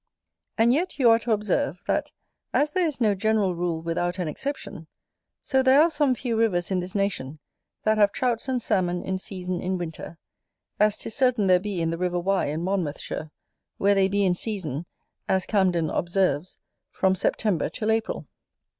And yet you are to observe, that as there is no general rule without an exception, so there are some few rivers in this nation that have Trouts and Salmon in season in winter, as 'tis certain there be in the river Wye in Monmouthshire, where they be in season, as Camden observes, from September till April.